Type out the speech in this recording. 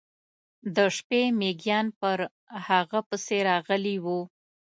د شپې میږیان پر هغه پسې راغلي و.